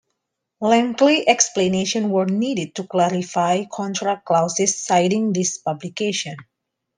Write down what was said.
Lengthy explanations were needed to clarify contract clauses citing these publications.